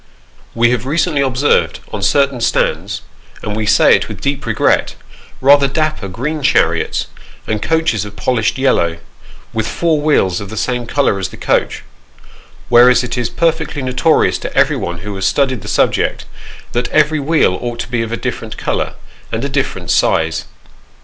We have recently observed on certain stands, and we say it with deep regret, rather dapper green chariots, and coaches of polished yellow, with four wheels of the same colour as the coach, whereas it is perfectly notorious to every one who has studied the subject, that every wheel ought to be of a different colour, and a different size.